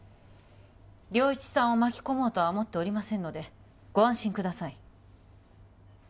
良一さんを巻き込もうとは思っておりませんのでご安心ください